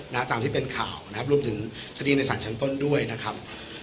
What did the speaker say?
ตามที่เป็นข่าวนะครับรวมถึงคดีในศาลชั้นต้นด้วยนะครับ